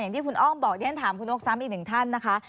อย่างที่คุณอ้อมบอกและถามคุณนกซ้ำอีกหนึ่งท่านนะคะ